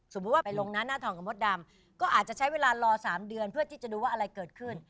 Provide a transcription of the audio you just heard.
ว่าไปลงหน้าหน้าทองกับมดดำก็อาจจะใช้เวลารอ๓เดือนเพื่อที่จะดูว่าอะไรเกิดขึ้น